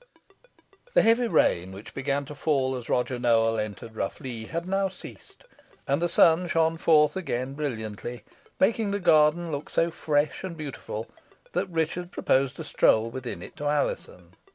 The heavy rain, which began to fall as Roger Nowell entered Rough Lee, had now ceased, and the sun shone forth again brilliantly, making the garden look so fresh and beautiful that Richard proposed a stroll within it to Alizon.